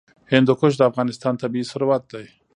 هندوکش د افغانستان طبعي ثروت دی.